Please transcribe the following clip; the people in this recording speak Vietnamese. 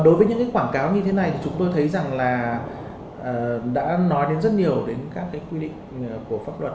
đối với những quảng cáo như thế này thì chúng tôi thấy rằng là đã nói đến rất nhiều đến các quy định của pháp luật